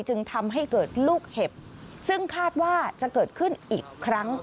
จึงทำให้เกิดลูกเห็บซึ่งคาดว่าจะเกิดขึ้นอีกครั้ง